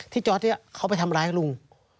ที่จอร์ตเขาไปทำร้ายลุง